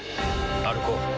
歩こう。